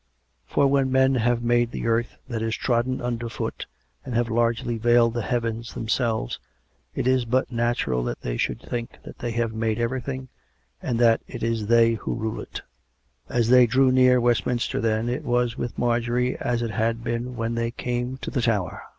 For where men have made the earth that is trodden underfoot, and have largely veiled the heavens themselves, it is but natural that they should think that they have made everything, and that it is they who rule it. COME RACK! COME ROPE! 16S As they drew nearer Westminster then, it was with Marjorie as it had been when they came to the Tower.